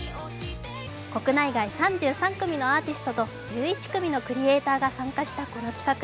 国内外３３組のアーティストと１１組のクリエーターが参加したこの企画。